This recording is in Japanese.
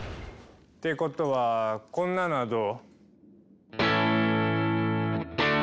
ってことはこんなのはどう？